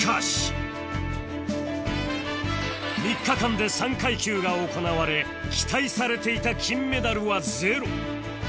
３日間で３階級が行われ期待されていた金メダルはゼロ